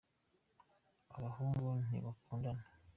ababahungu ntibakundna